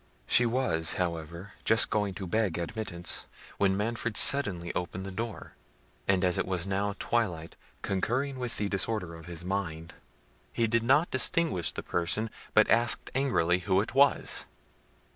She was, however, just going to beg admittance, when Manfred suddenly opened the door; and as it was now twilight, concurring with the disorder of his mind, he did not distinguish the person, but asked angrily, who it was?